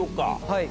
はい。